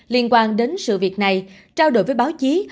liên quan đến sự việc này trao đổi với bộ phim